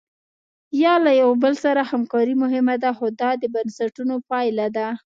یا له یو بل سره همکاري مهمه ده خو دا د بنسټونو پایله ده.